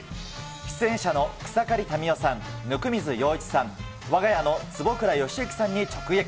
出演者の草刈民代さん、温水洋一さん、我が家の坪倉由幸さんに直撃。